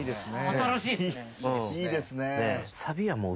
新しいっすね。